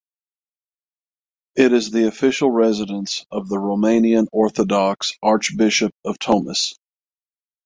It is the official residence of the Romanian Orthodox Archbishop of Tomis.